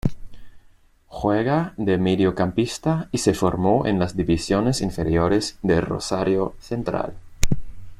Juega de mediocampista y se formó en las divisiones inferiores de Rosario Central